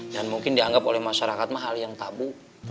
dan mungkin dianggap oleh masyarakat mah hal yang tabu